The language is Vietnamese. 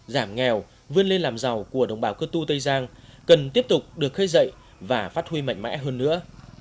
giảm nghèo vươn lên làm giàu của đồng bào cơ tu tây giang cần tiếp tục được khơi dậy và phát huy mạnh mẽ hơn nữa